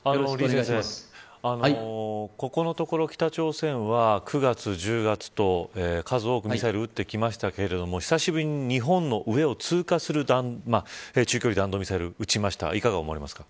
李先生、ここのところ北朝鮮は９月１０月と数多くミサイル撃ってきましたけれども久しぶりに日本の上を通過する中距離弾道ミサイルを打ちました。